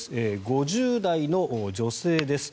５０代の女性です。